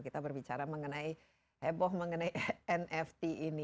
kita berbicara mengenai heboh mengenai nft ini